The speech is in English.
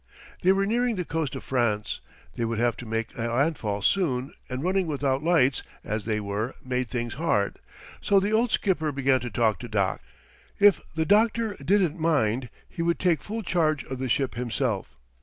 They were nearing the coast of France. They would have to make a landfall soon, and running without lights, as they were, made things hard, so the old skipper began to talk to Doc. If the doctor didn't mind, he would take full charge of the ship himself.